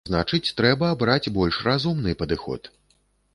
Значыць, трэба абраць больш разумны падыход.